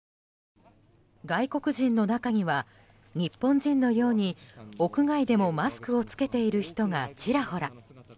外国人の中には日本人のように屋外でもマスクを着けている人がちらほら。